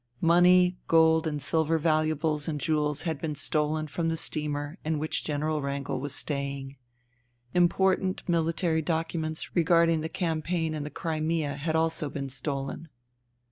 Money, gold and silver valuables and jewels had been stolen from the steamer in which General Wrangel was staying. Important military documents regarding the campaign in the Crimea had also been stolen.